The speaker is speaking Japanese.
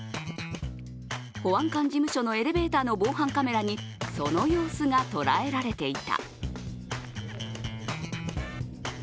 保安官事務所のエレベーターの防犯カメラにその映像が捉えられていた。